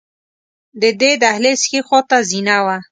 د دې دهلېز ښې خواته زینه وه.